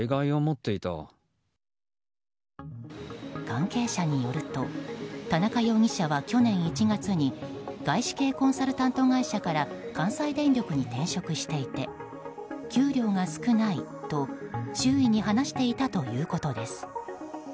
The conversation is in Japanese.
関係者によると田中容疑者は去年１月に外資系コンサルタント会社から関西電力に転職していて、給料が少ないと周囲に話していたということです。